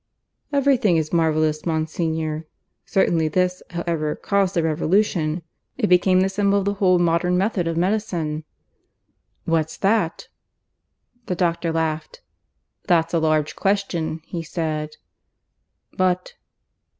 "Everything is marvellous, Monsignor. Certainly this, however, caused a revolution. It became the symbol of the whole modern method of medicine." "What's that?" The doctor laughed. "That's a large question," he said. "But